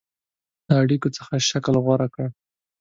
اړېکو څه شکل غوره کړ.